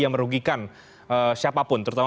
yang merugikan siapapun terutama